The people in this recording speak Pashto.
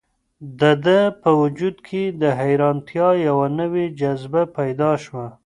د ده په وجود کې د حیرانتیا یوه نوې جذبه پیدا شوه.